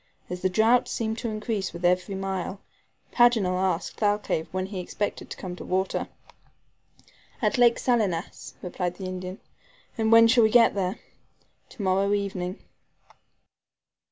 As the drought seemed to increase with every mile, Paganel asked Thalcave when he expected to come to water. "At Lake Salinas," replied the Indian. "And when shall we get there?" "To morrow evening."